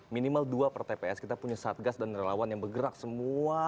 minimal dua per tps kita punya satgas dan relawan yang bergerak semua